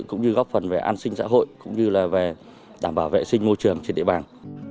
cũng như góp phần về an sinh xã hội cũng như là về đảm bảo vệ sinh môi trường trên địa bàn